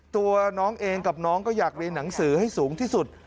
ตัวน้องเองกับน้องก็อยากเรียนหนังสือให้สูงที่สุด